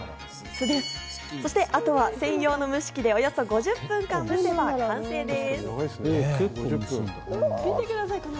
あとは専用の蒸し器でおよそ５０分間蒸せば、完成です。